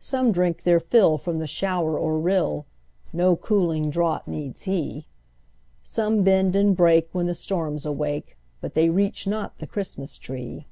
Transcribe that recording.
Some drink their fill from the shower or rill; No cooling draught needs he; Some bend and break when the storms awake, But they reach not the Christmas tree.